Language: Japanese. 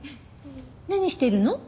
何してるの？